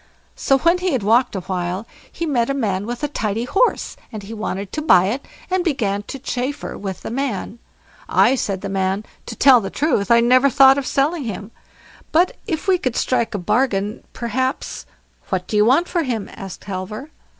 So, when he had walked a while, he met a man with a tidy horse, and he wanted to buy it, and began to chaffer with the man. "Aye", said the man, "to tell the truth, I never thought of selling him; but if we could strike a bargain, perhaps——" "What do you want for him", asked Halvor.